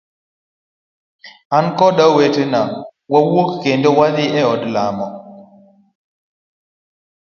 An koda owetena wawuok kendo wadhi e od lamo.